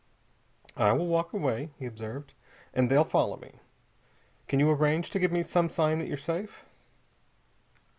"I will walk away," he observed, "and they'll follow me. Can you arrange to give me some sign that you're safe?"